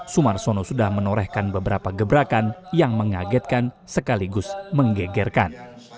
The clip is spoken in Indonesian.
sumarsono sudah menorehkan beberapa gebrakan yang mengagetkan sekaligus menggegerkan